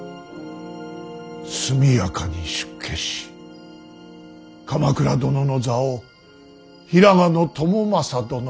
速やかに出家し鎌倉殿の座を平賀朝雅殿に譲る。